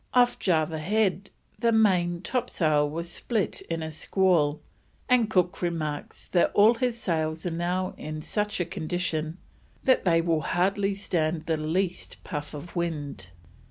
Off Java Head the main topsail was split in a squall, and Cook remarks that all his sails are now in such a condition that "they will hardly stand the least puff of wind."